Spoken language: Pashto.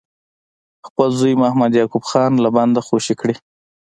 خپل زوی محمد یعقوب خان له بنده خوشي کړي.